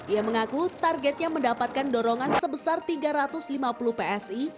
ia mengaku targetnya mendapatkan dorongan sebesar tiga ratus lima puluh psi